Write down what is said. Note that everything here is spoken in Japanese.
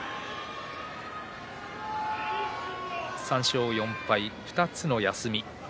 ３勝４敗２つの休み。